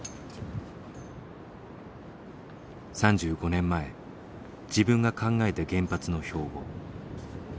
３５年前自分が考えた原発の標語。